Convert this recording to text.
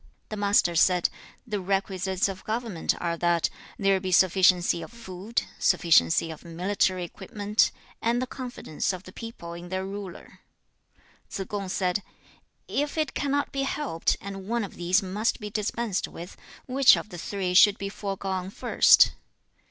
The Master said, 'The requisites of government are that there be sufficiency of food, sufficiency of military equipment, and the confidence of the people in their ruler.' 2. Tsze kung said, 'If it cannot be helped, and one of these must be dispensed with, which of the three should be foregone first?'